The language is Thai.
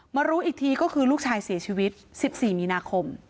รู้อีกทีก็คือลูกชายเสียชีวิต๑๔มีนาคม